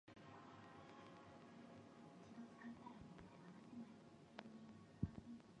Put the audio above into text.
Dance typically plays assertive bureaucrats or villains.